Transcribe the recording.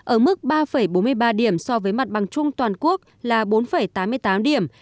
ở mức ba bốn mươi ba điểm so với mặt bằng chung toàn quốc là bốn tám mươi tám điểm